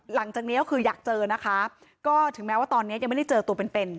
หลังจากนี้ก็คืออยากเจอนะคะก็ถึงแม้ว่าตอนนี้ยังไม่ได้เจอตัวเป็นเป็น